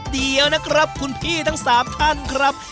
เดี๋ยวนะครับคุณพี่ทั้ง๓ท่านครับ